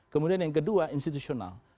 kemudian yang kedua institusional